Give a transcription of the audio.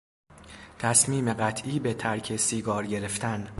تصمیم قطعی به ترک سیگار گرفتن